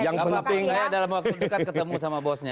saya dalam waktu dekat ketemu sama bosnya